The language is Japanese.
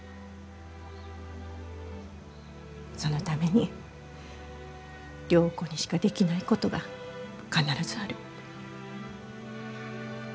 そのために良子にしかできないことが必ずある。